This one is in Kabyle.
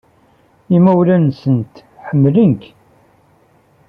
Imawlan-nsent ḥemmlen-k.